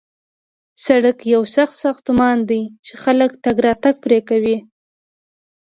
سړک یو سخت ساختمان دی چې خلک تګ راتګ پرې کوي